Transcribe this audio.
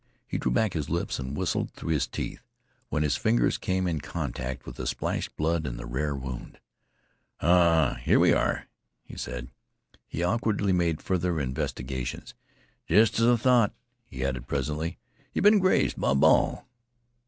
He drew back his lips and whistled through his teeth when his fingers came in contact with the splashed blood and the rare wound. "Ah, here we are!" he said. He awkwardly made further investigations. "Jest as I thought," he added, presently. "Yeh've been grazed by a ball.